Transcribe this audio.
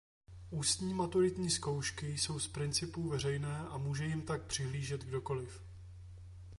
Ústní maturitní zkoušky jsou z principu veřejné a může jim tak přihlížet kdokoliv.